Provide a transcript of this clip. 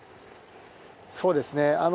そうですね。